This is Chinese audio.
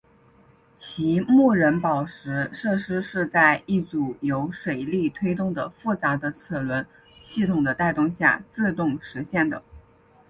其木人宝石设施是在一组由水力推动的复杂的齿轮系统的带动下自动实现的。